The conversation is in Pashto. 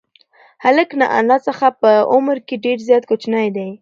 هلک له انا څخه په عمر کې ډېر زیات کوچنی دی.